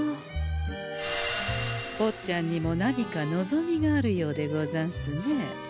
ぼっちゃんにも何か望みがあるようでござんすね？